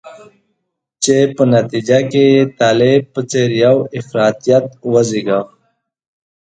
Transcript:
چې په نتیجه کې یې طالب په څېر یو افراطیت وزیږاوه.